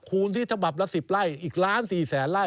คูณที่ฉบับละ๑๐ไล่อีก๑๔๐๐๐๐๐ไล่